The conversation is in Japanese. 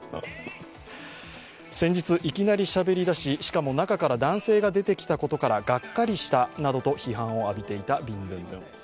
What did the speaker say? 先日いきなりしゃべりだし、しかも中から男性が出てきたことからがっかりしたなどと批判を浴びていたビンドゥンドゥン。